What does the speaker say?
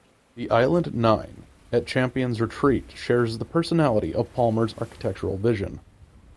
The Island Nine at Champions Retreat shares the personality of Palmer’s architectural vision.